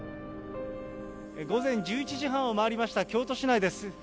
午前１１時半を回りました京都市内です。